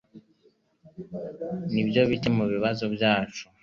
Nibyo bike mubibazo byacu.